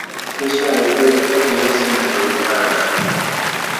শব্দের সহায়তা ব্যতীত কেহ চিন্তা করিতে পারে না।